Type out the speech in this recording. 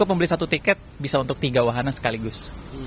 kalau pembeli satu tiket bisa untuk tiga wahana sekaligus